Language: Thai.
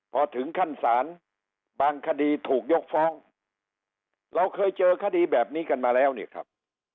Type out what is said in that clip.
พอถึงขั้นศาลบางคดีถูกยกฟ้องเราเคยเจอคดีแบบนี้กันมาแล้วเนี่ยครับ